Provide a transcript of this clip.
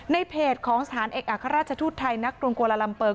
ในเพจของสถานเอกอัครราชทูตไทยนักกรุงโกลาลัมเปิง